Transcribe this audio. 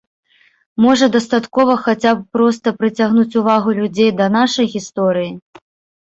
Можа, дастаткова хаця б проста прыцягнуць увагу людзей да нашай гісторыі?